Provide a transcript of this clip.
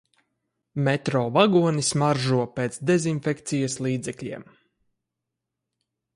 Metro vagoni smaržo pēc dezinfekcijas līdzekļiem.